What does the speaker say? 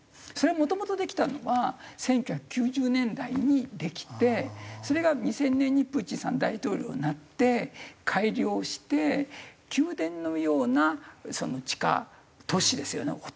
それもともとできたのは１９９０年代にできてそれが２０００年にプーチンさん大統領になって改良して宮殿のような地下都市ですよね